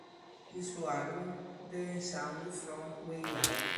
Il suo album "The In Sound From Way Out!